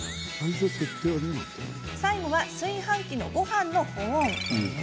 最後は炊飯機のごはんの保温。